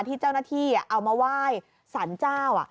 ที่เจ้าหน้าที่เอามาไหว้สรรเจ้า